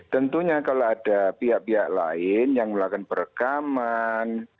tentunya kalau ada pihak pihak lain yang melakukan perekaman